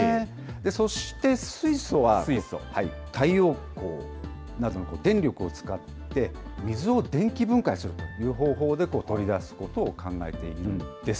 そして水素は、太陽光などの電力を使って、水を電気分解するという方法で取り出すことを考えているんです。